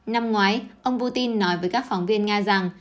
năm ngoái ông putin nói với các phóng viên nga rằng